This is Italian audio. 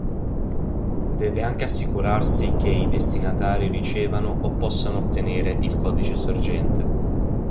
Deve anche assicurarsi che i destinatari ricevano o possano ottenere il codice sorgente.